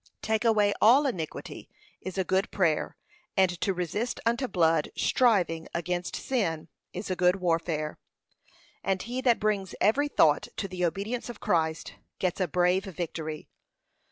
'Take away all iniquity,' is a good prayer, and to 'resist unto blood, striving against sin,' is a good warfare, and he that brings 'every thought to the obedience of Christ' gets a brave victory.